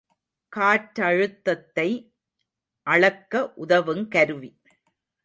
காற்றழுத்தத்தை அளக்க உதவுங் கருவி.